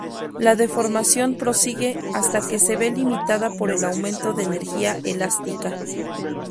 La deformación prosigue hasta que se ve limitada por el aumento de energía elástica.